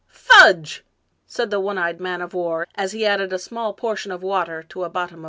Fudg e !" said the one eved man of war, as he added a small portion of water to a bottom of brandy.